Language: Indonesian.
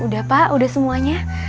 sudah pak sudah semuanya